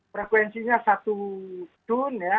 frekuensinya satu tun ya